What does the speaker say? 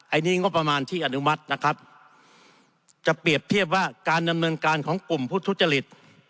อันนี้งบประมาณที่อนุมัตินะครับจะเปรียบเทียบว่าการดำเนินการของกลุ่มผู้ทุจริต